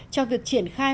cho việc triển khai